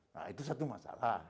nah itu satu masalah